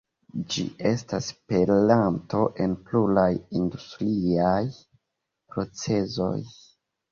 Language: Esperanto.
Ĝi estas peranto en pluraj industriaj procezoj.